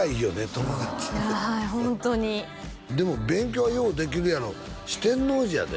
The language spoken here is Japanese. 友達ってはいホントにでも勉強はようできるやろ四天王寺やで？